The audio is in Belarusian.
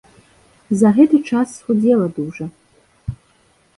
За гэты час схудзела дужа.